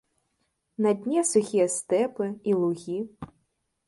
На дне сухія стэпы і лугі.